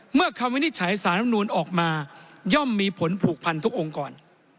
เมื่อความวินิจฉัยสารรำนวลออกมาย่อมมีผลผูกพันธุ์ทุกองค์ก่อน